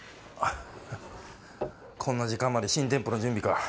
こんな時間まで新店舗の準備か。